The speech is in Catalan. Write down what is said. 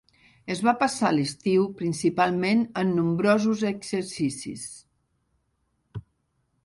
Es va passar l'estiu principalment en nombrosos exercicis.